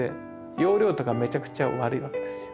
要領とかめちゃくちゃ悪いわけですよ。